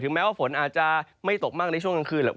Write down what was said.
แม้ว่าฝนอาจจะไม่ตกมากในช่วงกลางคืน